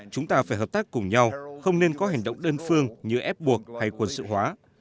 chúng ta phải hợp tác cùng nhau không nên có hành động đơn phương như ép buộc hay quân sự hóa